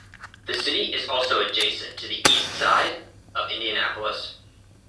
The city is also adjacent to the east side of Indianapolis.